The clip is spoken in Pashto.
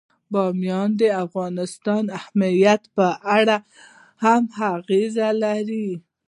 بامیان د افغانستان د امنیت په اړه هم اغېز لري.